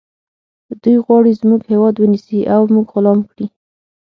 دوی غواړي زموږ هیواد ونیسي او موږ غلام کړي